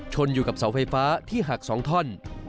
อยู่กับเสาไฟฟ้าที่หัก๒ท่อน